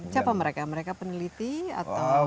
siapa mereka mereka peneliti atau